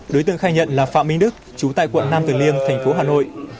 đối tượng khai nhận là phạm minh đức trú tại quận nam tuyền liêng thành phố hà nội